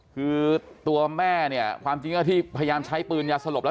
คือตัวแม่เนี่ยความจริงก็ที่พยายามใช้ปืนยาสลบแล้ว